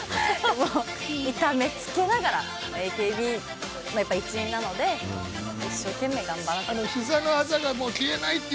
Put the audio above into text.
痛めつけながらＡＫＢの一員なので一生懸命、頑張って。